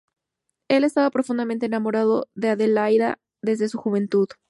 Él está profundamente enamorado de Adelaida desde su juventud.